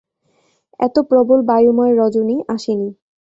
এতো প্রবল বায়ুময় রজনী আসেনি।